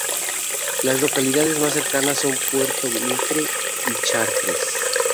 Las localidades más cercanas son Puerto Mitre y Chartres.